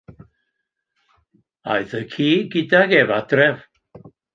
Aeth y ci gydag ef adref.